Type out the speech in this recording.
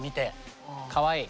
かわいい。